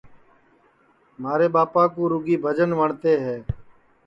مھارے ٻاپا کُو رُگی بھجی وٹؔتی ہے